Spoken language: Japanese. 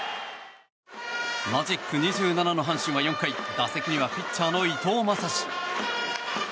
マジック２７の阪神は４回打席にはピッチャーの伊藤将司。